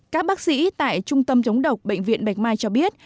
các bác sĩ tại trung tâm chống độc bệnh viện bạch mai cho biết